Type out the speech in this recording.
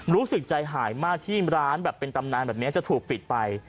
รู้สึกใจหายมากที่ร้านแบบเป็นตำนานแบบนี้จะถูกปิดไป